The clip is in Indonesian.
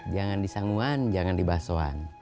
jangan di sanguan jangan di basoan